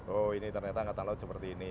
oh ini ternyata angkatan laut seperti ini